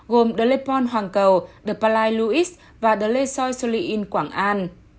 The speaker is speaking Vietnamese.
gồm the palais louis và the palais louis